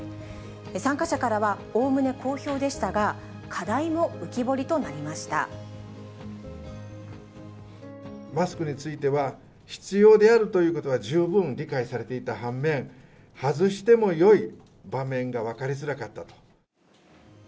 参加者からは、おおむね好評でしたが、課題も浮き彫りとなりましマスクについては、必要であるということは十分理解されていた反面、外してもよい場面が分かりづらかったと。